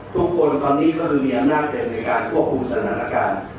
ทุกคนตอนนี้ก็จะมีอำนาจที่จะควบคุมเหนือกัน